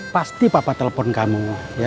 pasti papa telepon kamu